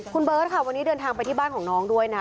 คุณเบิร์ตค่ะวันนี้เดินทางไปที่บ้านของน้องด้วยนะ